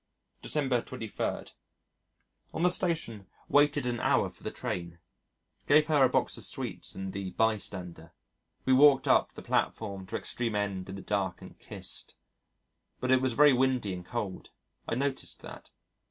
December 23. ... On the Station waited for an hour for the train. Gave her a box of sweets and the Bystander. We walked up the platform to extreme end in the dark and kissed! But it was very windy and cold. (I noticed that!)